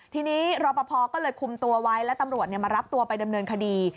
ทีนี้รอปภก็เลยคุมตัวไว้แล้วตำรวจมารับตัวไปดำเนินคดี